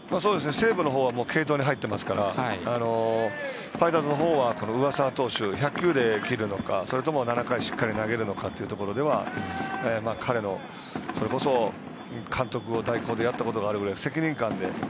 西武のほうは継投に入ってますからファイターズのほうは上沢投手を１００球で切るのかそれとも７回をしっかり投げるのかというところでは彼の、それこそ監督を代行でやったことがあるので責任感で。